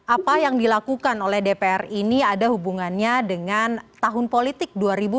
apa yang dilakukan oleh dpr ini ada hubungannya dengan tahun politik dua ribu dua puluh